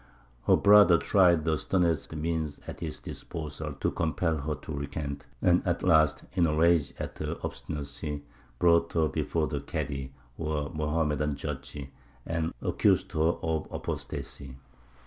Her brother tried the sternest means at his disposal to compel her to recant, and at last, in a rage at her obstinacy, brought her before the Kādy, or Mohammedan judge, and accused her of apostacy.